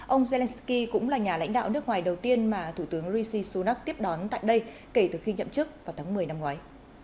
ông zelensky cũng là nhà lãnh đạo nước ngoài đầu tiên mà thủ tướng rishi sunak tiếp đón tại đây kể từ khi nhậm chức vào tháng một mươi năm ngoái